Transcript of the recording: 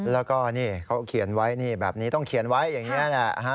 แล้วก็นี่เขาเขียนไว้นี่แบบนี้ต้องเขียนไว้อย่างนี้แหละ